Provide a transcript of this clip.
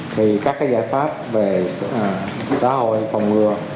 thì các cái giải pháp về xã hội phòng ngừa